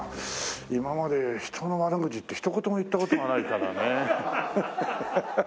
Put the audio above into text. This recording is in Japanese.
今まで人の悪口ってひと言も言った事がないからね。